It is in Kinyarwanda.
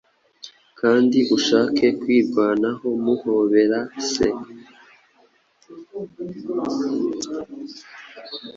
Kandi ushake kwirwanaho muhobera Se